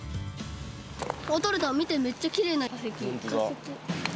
取れた、見て、めっちゃきれ本当だ。